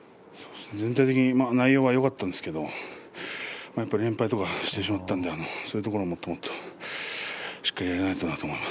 全体に内容はよかったですけれども連敗してしまったんでそういうところはもっともっとしっかりとやらなければと思います。